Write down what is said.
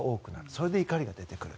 それで怒りが出てくる。